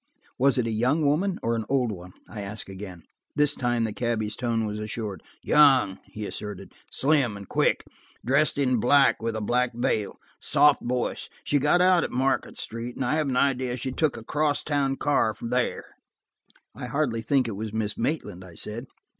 "Was it a young woman or an old one," I asked again. This time the cabby's tone was assured. "Young," he asserted, "slim and quick: dressed in black, with a black veil. Soft voice. She got out at Market Square, and I have an idea she took a cross town car there." "I hardly think it was Miss Maitland," I said.